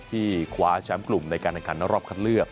คว้าแชมป์กลุ่มในการแข่งขันรอบคัดเลือก